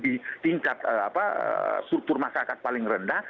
di tingkat struktur masyarakat paling rendah